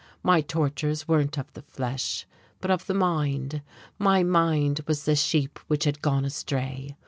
My tortures weren't of the flesh, but of the mind. My mind was the sheep which had gone astray.